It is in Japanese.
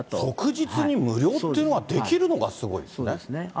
即日に無料っていうのができるのがすごいですね。